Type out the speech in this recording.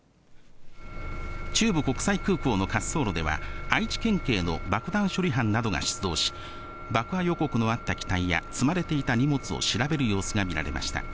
中部国際空港の滑走路では、愛知県警の爆弾処理班などが出動し、爆破予告のあった機体や積まれていた荷物を調べる様子が見られました。